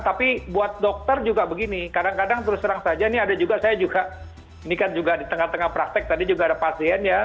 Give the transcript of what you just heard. tapi buat dokter juga begini kadang kadang terus terang saja ini ada juga saya juga ini kan juga di tengah tengah praktek tadi juga ada pasien ya